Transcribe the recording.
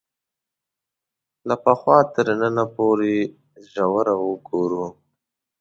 له پخوا تر ننه پورې ژوره وګورو